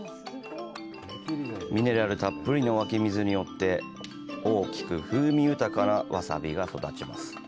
ミネラルたっぷりの湧水によって大きく風味豊かなわさびが育ちます。